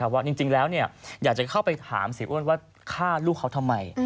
ว่าจริงแล้วอยากจะเข้าไปถามเสียอ้วนว่าฆ่าลูกเขาทำไม